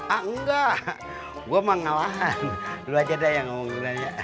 enggak gua mah ngawahan lu aja dah yang ngomong duluan ya